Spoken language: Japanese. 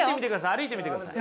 歩いてみてください